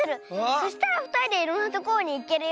そしたらふたりでいろんなところにいけるよ。